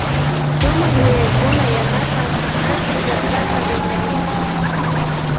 Sumak yuyaykuna yanapan aylly llakta wiñarichu.